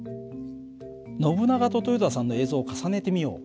ノブナガと豊田さんの映像を重ねてみよう。